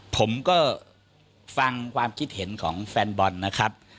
ผมก็ฟังความคิดเห็นของแฟนบอลนะครับ